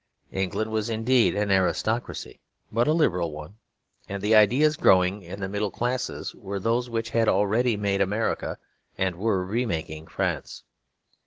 England was indeed an aristocracy, but a liberal one; and the ideas growing in the middle classes were those which had already made America, and were remaking France.